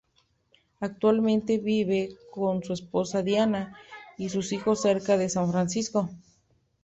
Actualmente vive con su esposa Diana, y sus hijos cerca de San Francisco.